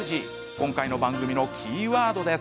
今回の番組のキーワードです。